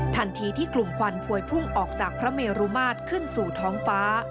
ทันทีที่กลุ่มควันพวยพุ่งออกจากพระเมรุมาตรขึ้นสู่ท้องฟ้า